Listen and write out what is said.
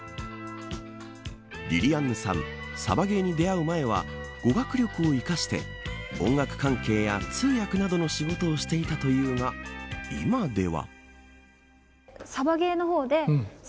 りりあんぬさんはサバゲーに出会う前は語学力を生かして音楽関係や通訳などの仕事をしていたというが今では。